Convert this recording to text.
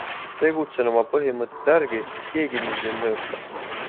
Tegutsen oma põhimõtete järgi, keegi mind ei mõjuta.